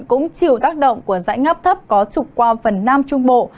cũng chịu tác động của dạnh áp thấp có trục qua phần nam trung bộ